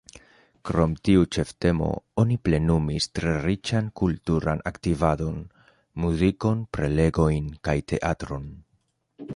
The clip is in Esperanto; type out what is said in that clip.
Krom tiu ĉeftemo, oni plenumis tre riĉan kulturan aktivadon: muzikon, prelegojn kaj teatron.